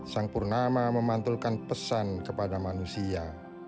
sang purnama memantulkan pesan kepada manusia